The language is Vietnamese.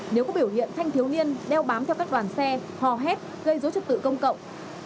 nếu có biểu hiện thanh thiếu niên đeo bám theo các đoàn xe hò hét gây dối trật tự công cộng